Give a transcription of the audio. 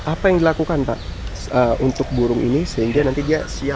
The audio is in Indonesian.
apa yang dilakukan pak untuk burung ini sehingga nanti dia siap